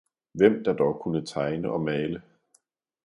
Hvem der dog kunne tegne og male!